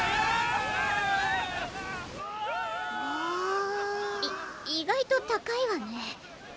わあい意外と高いわね